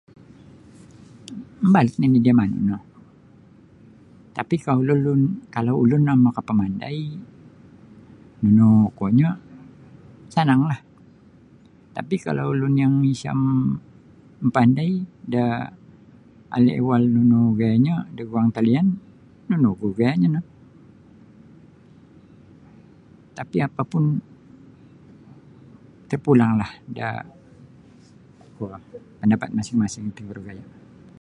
Mabalut nini di iyo manu no tapi kalau lulun kalau ulun no makapamandai nunu kuonyo sananglah tapi kalau ulun yang isa mapandai da hal ehwal nunu gayanyo da guang talian nunu gu gayanya no? tapi apa pun tepulang lah da kuo da pandapat masing-masing ti kuro gaya.